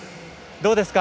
どうですか？